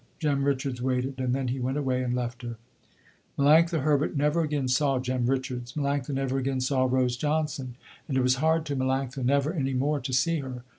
Jem Richards waited and then he went away and left her. Melanctha Herbert never again saw Jem Richards. Melanctha never again saw Rose Johnson, and it was hard to Melanctha never any more to see her.